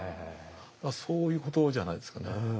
そういうことじゃないですかね。